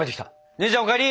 姉ちゃんお帰り。